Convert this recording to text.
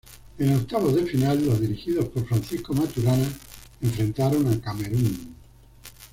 En octavos de final, los dirigidos por Francisco Maturana enfrentaron a Camerún.